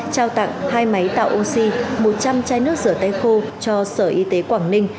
trao tặng hai máy tạo oxy một trăm linh chai nước rửa tay khô cho sở y tế quảng ninh